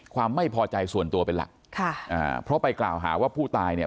ความไม่พอใจส่วนตัวเป็นหลักค่ะอ่าเพราะไปกล่าวหาว่าผู้ตายเนี่ย